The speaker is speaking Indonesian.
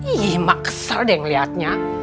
iiih mak keser deh ngeliatnya